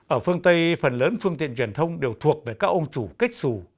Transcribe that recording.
ở phương tây phần lớn phương tiện truyền thông đều thuộc về các ông chủ kết xù